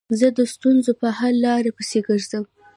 زه د ستونزو په حل لارو پيسي ګرځم.